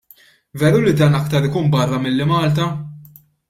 Veru li dan aktar ikun barra milli Malta?